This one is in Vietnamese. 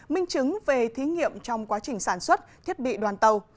minh chứng về thí nghiệm trong quá trình sản xuất thiết bị đoàn tàu